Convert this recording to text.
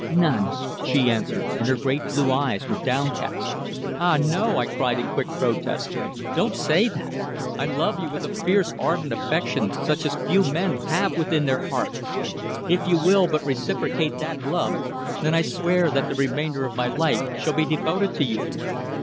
"None," she answered, and her great blue eyes were downcast. "Ah, no!" I cried in quick protest. "Don't say that. I love you with a fierce, ardent affection such as few men have within their hearts. If you will but reciprocate that love, then I swear that the remainder of my life shall be devoted to you."